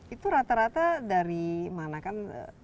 itu rata rata dari mana kan